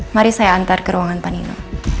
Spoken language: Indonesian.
mari saya antar ke ruangan panino